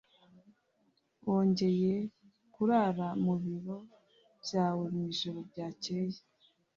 Wongeye kurara mu biro byawe mwijoro ryakeye